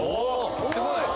すごい！